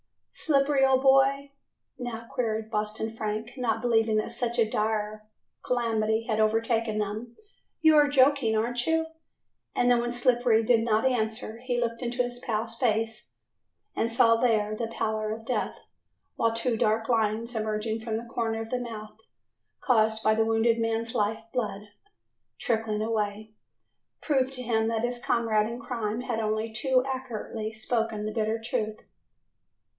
"Slippery, old boy," now queried Boston Frank, not believing that such a dire calamity had overtaken them, "you are joking, aren't you?" And then, when Slippery did not answer, he looked into his pal's face and saw there the pallor of death while two dark lines emerging from the corner of his mouth caused by the wounded man's life blood, trickling away, proved to him that his comrade in crime had only too accurately spoken the bitter truth.